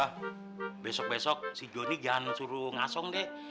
wah besok besok si johnny jangan suruh ngasong deh